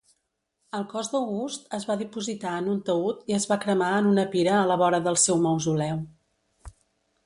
El cos d'August es va dipositar en un taüd i es va cremar en una pira a la vora del seu mausoleu.